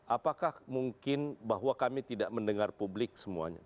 apakah mungkin bahwa kami tidak mendengar publik semuanya